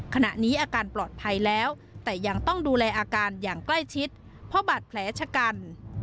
ขณะนี้อาการปลอดภัยแล้วแต่ยังต้องดูแลอาการอย่างใกล้ชิดเพราะบาดแผลชะกัน